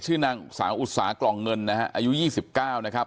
ชื่อนางสาวอุตสาห์กล่องเงินนะฮะอายุยี่สิบเก้านะครับ